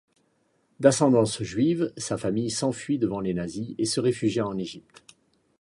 D'ascendance juive, sa famille s'enfuit devant les nazis et se réfugia en Égypte.